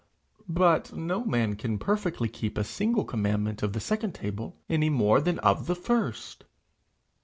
'But no man can perfectly keep a single commandment of the second table any more than of the first.'